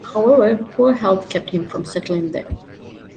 However, poor health kept him from settling there.